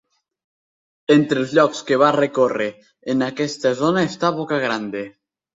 Entre els llocs que va recórrer en aquesta zona està Boca Grande.